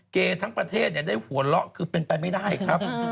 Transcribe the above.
เกย์ทั้งประเทศได้หัวเราะคือเป็นไปไม่ได้ครับ